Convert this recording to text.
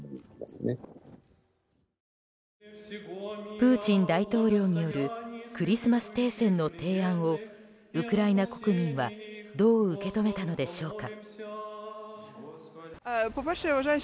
プーチン大統領によるクリスマス停戦の提案をウクライナ国民はどう受け止めたのでしょうか。